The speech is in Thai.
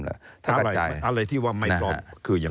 อะไรที่ว่าไม่ปลอมคือยังไง